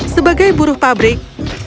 sebagai buruh pabrik